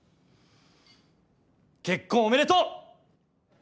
結婚おめでとう！